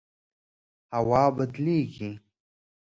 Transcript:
هوا بدلیږي